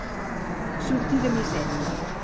Sortir de misèria.